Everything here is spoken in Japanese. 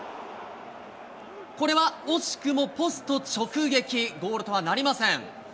これは惜しくもポスト直撃、ゴールとはなりません。